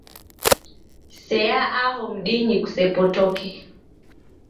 Sea aho mdinyi kusepotoke